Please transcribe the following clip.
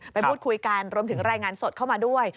ไปพูดคุยกันรวมถึงรายงานสดเข้ามาด้วย